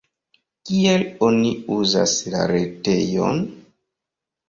Kiel oni uzas la retejon?